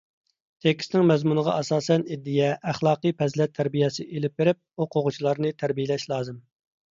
تېكىستنىڭ مەزمۇنىغا ئاساسەن ئىدىيە، ئەخلاقىي پەزىلەت تەربىيىسى ئېلىپ بېرىپ، ئوقۇغۇچىلارنى تەربىيىلەش لازىم.